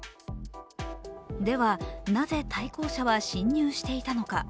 では、なぜ対向車は進入していたのか。